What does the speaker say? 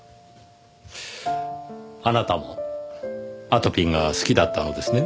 あなたもあとぴんが好きだったのですね。